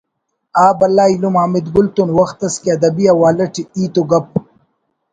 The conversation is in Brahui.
آ بھلا ایلم حامد گل تون وخت اس کہ ادبی حوالہ ٹی ہیت و گپ